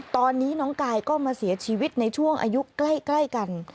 ตอนนี้น้องกายก็มาเสียชีวิตในช่วงอายุใกล้กัน